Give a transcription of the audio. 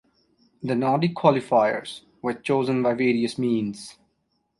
The Nordic qualifiers were chosen by various means.